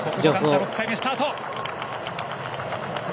６回目スタート。